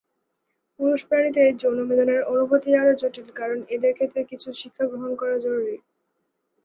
পুরুষ প্রাণীতে যৌনমিলনের অনুভূতি আরও জটিল কারণ এদের ক্ষেত্রে কিছু শিক্ষাগ্রহণ করা জরুরী।